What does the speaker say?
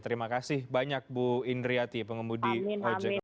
terima kasih banyak bu indri yati pengemudi ojek